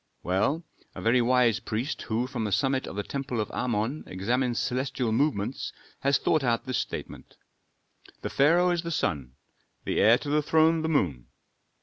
"Well, a very wise priest who from the summit of the temple of Amon examines celestial movements, has thought out this statement: 'The pharaoh is the sun, the heir to the throne the moon.